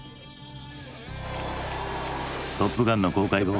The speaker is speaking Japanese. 「トップガン」の公開後